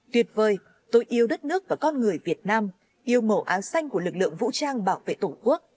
tuyệt vời tôi yêu đất nước và con người việt nam yêu màu áo xanh của lực lượng vũ trang bảo vệ tổ quốc